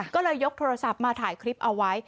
ก็เลยยกโทรศัพท์มาถ่ายคลิปเอาไว้